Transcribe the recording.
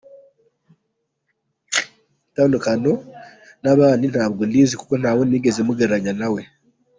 Itandukaniro n'abandi ntabwo ndizi kuko nta wundi nigeze mugereranya nawe.